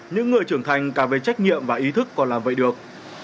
những người trưởng thành cả về trách nhiệm và ý thức còn làm vậy được